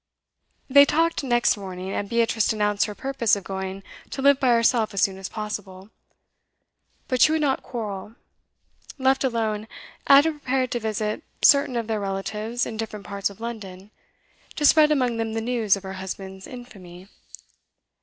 They talked next morning, and Beatrice announced her purpose of going to live by herself as soon as possible. But she would not quarrel. Left alone, Ada prepared to visit certain of their relatives in different parts of London, to spread among them the news of her husband's infamy.